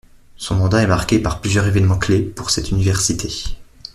Son mandat est marqué par plusieurs évènements clef pour cette université.